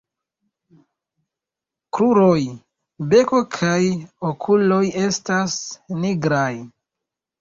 Kruroj, beko kaj okuloj estas nigraj.